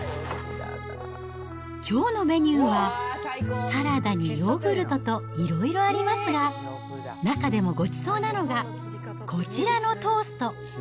きょうのメニューはサラダにヨーグルトといろいろありますが、中でもごちそうなのが、こちらのトースト。